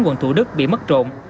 quận thủ đức bị mất trộn